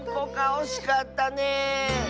おしかったねえ！